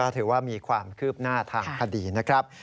ถือว่ามีความคืบหน้าทางคดีนะครับ